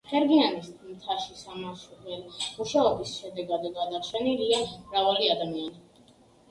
ხერგიანის მთაში სამაშველო მუშაობის შედეგად გადარჩენილია მრავალი ადამიანი.